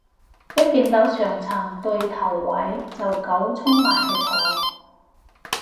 一見到上層對頭位就狗衝埋去坐